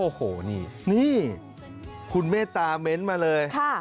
โอ้โหนี่นี่คุณเมตตาเม้นต์มาเลยค่ะ